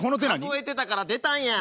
数えてたから出たんや。